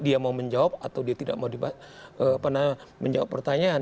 dia mau menjawab atau dia tidak mau menjawab pertanyaan